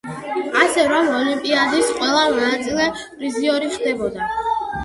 ასე რომ, ოლიმპიადის ყველა მონაწილე პრიზიორი ხდებოდა.